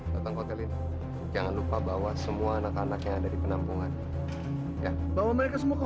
jangan lupa bawa semua anak anaknya ada di penampungan ya bawa mereka semua hotel